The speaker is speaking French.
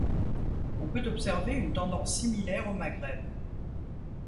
On peut observer une tendance similaire au Maghreb.